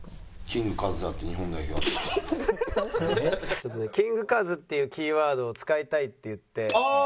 ちょっとねキング・カズっていうキーワードを使いたいって言って。